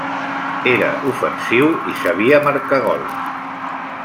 Era ofensiu i sabia marcar gols.